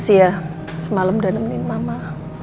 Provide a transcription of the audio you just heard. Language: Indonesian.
tiga empat dua dua tiga empat